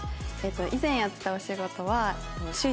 以前やってたお仕事は。